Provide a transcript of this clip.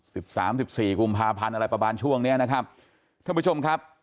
สิบสามสิบสี่กุมภาพันธ์อะไรประมาณช่วงเนี้ยนะครับท่านผู้ชมครับ